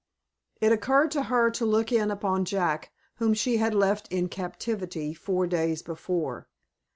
It occurred to her to look in upon Jack, whom she had left in captivity four days before.